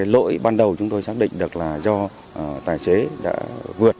lỗi ban đầu chúng tôi xác định được là do tài xế đã vượt